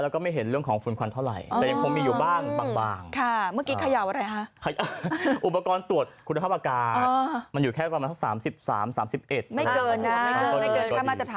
คือเขาให้ไว้ประมาณ๕๐มิลลิกรัมเปอร์เซ็นต์